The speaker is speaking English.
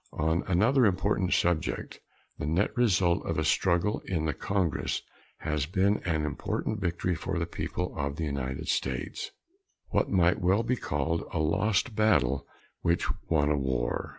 On another important subject the net result of a struggle in the Congress has been an important victory for the people of the United States what might well be called a lost battle which won a war.